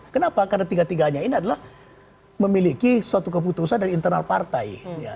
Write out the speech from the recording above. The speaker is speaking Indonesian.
kenapa karena tiga tiganya ini adalah memiliki suatu keputusan dari internal partai